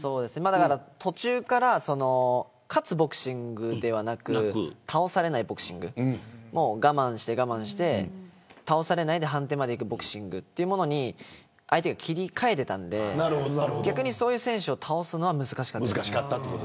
途中から勝つボクシングではなく倒されないボクシング我慢して我慢して倒されないで判定までいくというボクシングに相手が切り替えていたので逆にそういう選手を倒すのは難しかったです。